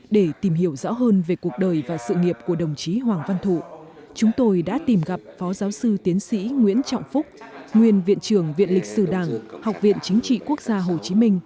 để tìm hiểu rõ hơn về cuộc đời và sự nghiệp của đồng chí hoàng văn thụ chúng tôi đã tìm gặp phó giáo sư tiến sĩ nguyễn trọng phúc nguyên viện trưởng viện lịch sử đảng học viện chính trị quốc gia hồ chí minh